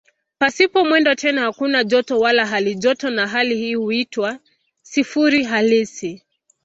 Pasipo mwendo tena hakuna joto wala halijoto na hali hii huitwa "sifuri halisi".